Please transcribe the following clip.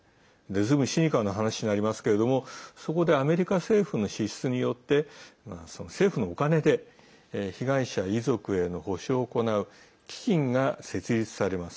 ずいぶんシニカルな話になりますけれどもそこでアメリカ政府の支出によって政府のお金で被害者遺族への補償を行う基金が設立されます。